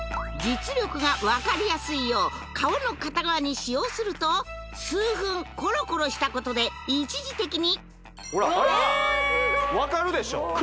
実力がわかりやすいよう顔の片側に使用すると数分コロコロしたことで一時的にほらわかるでしょえっ